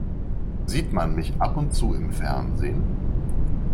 Sieht man mich ab und zu im Fernsehen?